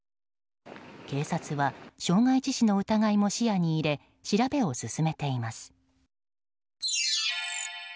警察は傷害致死の疑いも視野に入れ、調べを進めています。